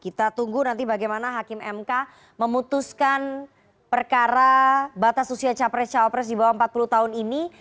kita tunggu nanti bagaimana hakim mk memutuskan perkara batas usia capres cawapres di bawah empat puluh tahun ini